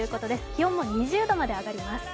気温も２０度まで上がります。